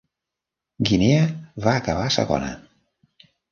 Guinea va acabar segona.